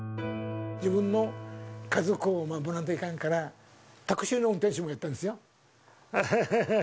自分の家族を守らないといかんから、タクシーの運転手もやったんですよ。